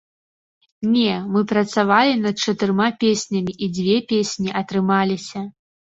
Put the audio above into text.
Не, мы працавалі над чатырма песнямі, і дзве песні атрымаліся.